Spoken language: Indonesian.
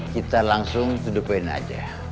kita langsung dudukin aja